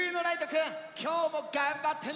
きょうもがんばってね！